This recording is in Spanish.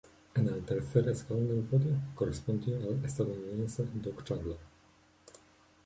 En el tercer escalón del podio, correspondió al estadounidense Doug Chandler.